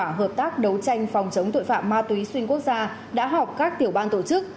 tổ hợp tác đấu tranh phòng chống tội phạm ma túy xuyên quốc gia đã họp các tiểu ban tổ chức